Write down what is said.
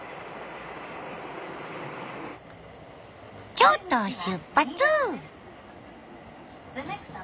京都を出発！